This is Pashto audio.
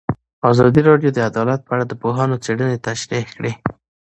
ازادي راډیو د عدالت په اړه د پوهانو څېړنې تشریح کړې.